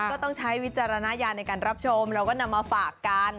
ก็ต้องใช้วิจารณญาณในการรับชมเราก็นำมาฝากกัน